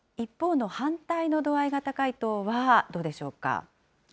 一方の反対の度合いが高い党はどうでしょうか。